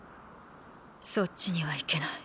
そっちには行けない。